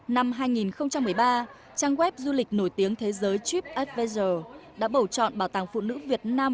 năm hai nghìn một mươi ba trang web du lịch nổi tiếng thế giới trip evfta đã bầu chọn bảo tàng phụ nữ việt nam